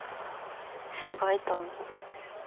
すごいと思う。